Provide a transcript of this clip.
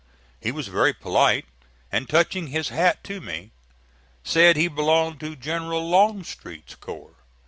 He was very polite, and, touching his hat to me, said he belonged to General Longstreet's corps.